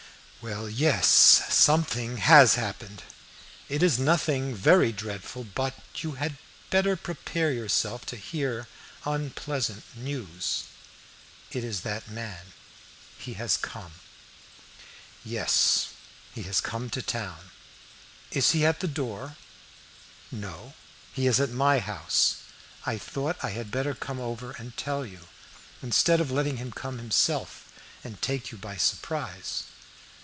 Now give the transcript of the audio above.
"Well, yes, something has happened. It is nothing very dreadful, but you had better prepare yourself to hear unpleasant news." "It is that man he has come." "Yes, he has come to town." "Is he at the door?" "No, he is at my house. I thought I had better come over and tell you, instead of letting him come himself and take you by surprise."